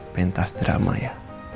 pentas drama ya